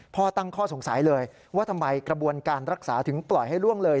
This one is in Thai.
ตั้งข้อสงสัยเลยว่าทำไมกระบวนการรักษาถึงปล่อยให้ล่วงเลย